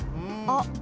あっ。